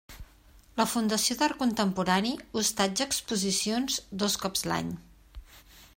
La Fundació d'Art Contemporani hostatja exposicions dos cops l'any.